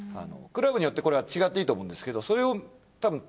クラブによってこれは違っていいと思うんですけど。